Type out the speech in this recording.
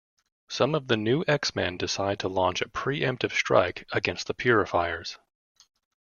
Some of the New-X-Men decide to launch a pre-emptive strike against the Purifiers.